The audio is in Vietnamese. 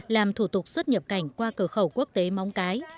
làm thủ tục xuất nhập cảnh qua cửa khẩu quốc tế móng cái